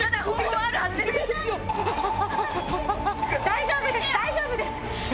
大丈夫です大丈夫です！